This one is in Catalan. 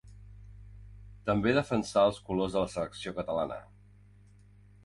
També defensà els colors de la selecció catalana.